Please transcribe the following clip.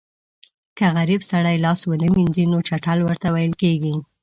که غریب سړی لاس ونه وینځي نو چټل ورته ویل کېږي.